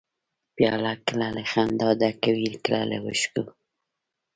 پیاله کله له خندا ډکه وي، کله له اوښکو.